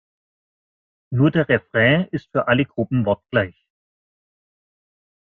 Nur der Refrain ist für alle Gruppen wortgleich.